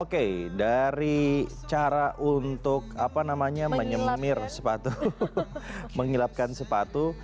oke dari cara untuk menyemir sepatu menghilapkan sepatu